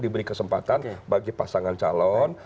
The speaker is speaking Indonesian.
diberi kesempatan bagi pasangan calon